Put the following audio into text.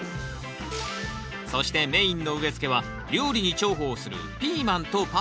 そしてメインの植えつけは料理に重宝するピーマンとパプリカ。